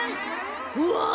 うわ！